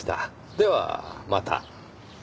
ではまた。